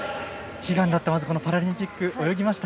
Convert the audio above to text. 悲願だったパラリンピック泳ぎました。